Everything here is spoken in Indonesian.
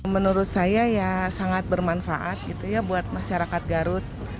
menurut saya ya sangat bermanfaat buat masyarakat garut